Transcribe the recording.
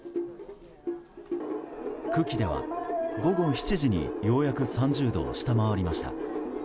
久喜では午後７時にようやく３０度を下回りました。